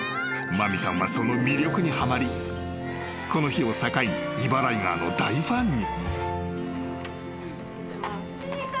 ［麻美さんはその魅力にはまりこの日を境にイバライガーの大ファンに］